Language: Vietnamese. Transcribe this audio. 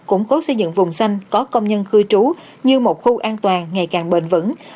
củng cố xây dựng vùng xanh có công nhân cư trú như một khu an toàn ngày càng bền vững